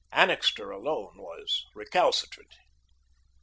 Annixter alone was recalcitrant.